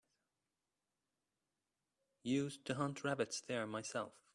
Used to hunt rabbits there myself.